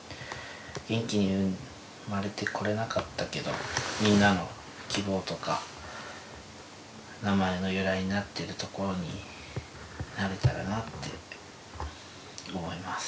元気に生まれてこれなかったけどみんなの希望とか名前の由来になってるところになれたらなって思います